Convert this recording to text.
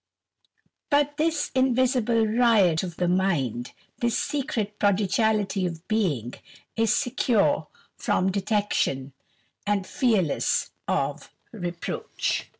But this invisible riot of the mind, this secret prodigality of being, is secure from detection, and fearless of reproach.